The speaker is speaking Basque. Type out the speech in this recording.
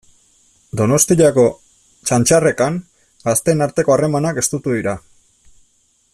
Donostiako Txantxarrekan gazteen arteko harremanak estutu dira.